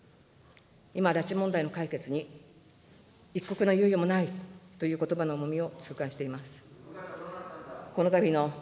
今、拉致問題に解決に一刻の猶予もないということばの重みを痛感しています。